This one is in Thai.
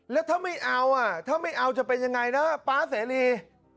แล้วถ้าไม่เอาจะเป็นอย่างไรนะป๊าเสรี